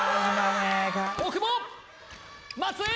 大久保松井！